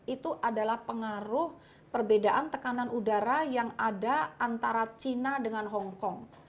itu adalah pengaruh perbedaan tekanan udara yang ada antara china dengan hongkong